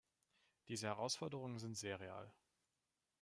Diese Herausforderungen sind sehr real.